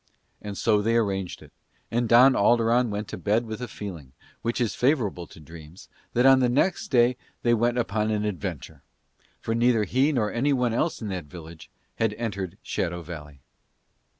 And so they arranged it, and Don Alderon went to bed with a feeling, which is favourable to dreams, that on the next day they went upon an adventure; for neither he nor anyone in that village had entered Shadow Valley.